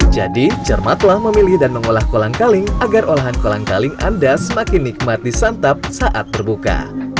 jadi cermatlah memilih dan mengolah kolang kaling agar olahan kolang kaling anda semakin nikmat disantap saat berbuka